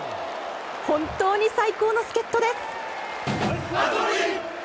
本当に最高の助っ人です。